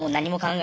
え？